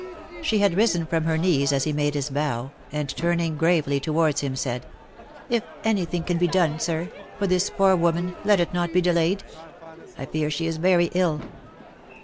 She had risen from her knees as he made his bow, and turning gravely towards him, said, " If any thing can be done sir, for this poor woman, let it not be delayed. I fear she is very ill."